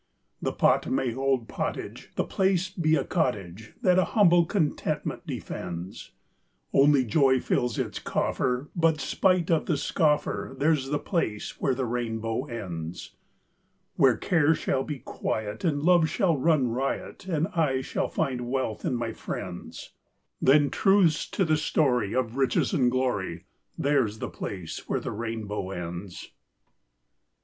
The pot may hold pottage, The place be a cottage, That a humble contentment defends, Only joy fills its coffer, But spite of the scoffer, There's the place where the rainbow ends. Where care shall be quiet, And love shall run riot, And I shall find wealth in my friends; Then truce to the story, Of riches and glory; There's the place where the rainbow ends.